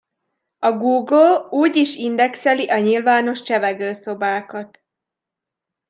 A Google úgyis indexeli a nyilvános csevegőszobákat.